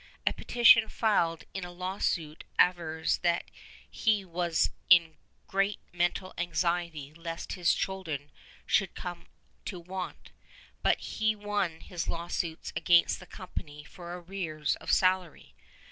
A petition filed in a lawsuit avers that he was in great mental anxiety lest his children should come to want; but he won his lawsuits against the company for arrears of salary.